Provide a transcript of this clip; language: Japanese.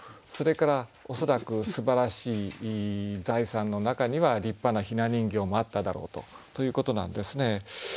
それから恐らくすばらしい財産の中には立派なひな人形もあっただろうとということなんですね。